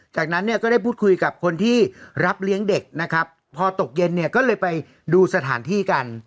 จากนั้นเนี่ยก็ได้พูดคุยกับคนที่รับเลี้ยงเด็กนะครับพอตกเย็นเนี่ยก็เลยไปดูสถานที่กัน